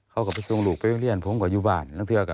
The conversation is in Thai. เขาก็ไปส่งลูกไปเรียนพร้อมกับอยู่บ้าน